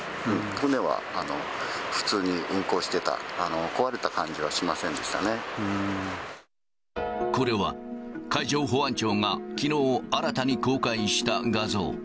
船は普通に運航していた、壊れたこれは、海上保安庁がきのう新たに公開した画像。